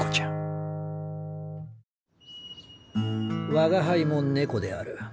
我が輩も猫である。